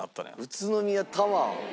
宇都宮タワー？